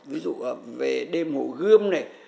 ví dụ về đêm hồ gươm này